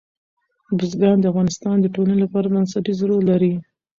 بزګان د افغانستان د ټولنې لپاره بنسټیز رول لري.